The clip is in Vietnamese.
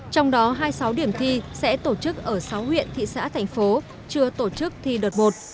trong đó hai mươi sáu điểm thi sẽ tổ chức ở sáu huyện thị xã thành phố chưa tổ chức thi đợt một